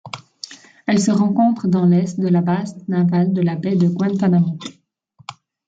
Elle se rencontre dans l'est de la base navale de la baie de Guantánamo.